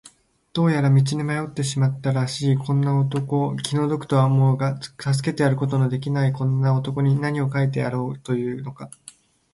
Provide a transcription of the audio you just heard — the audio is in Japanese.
どうやら道に迷ってしまったらしいこんな男、気の毒とは思うが助けてやることのできないこんな男に、なにを書いてやろうというのか。